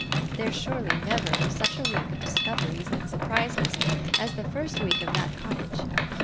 There surely never was such a week of discoveries and surprises as the first week of that cottage.